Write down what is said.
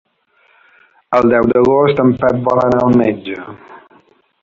El deu d'agost en Pep vol anar al metge.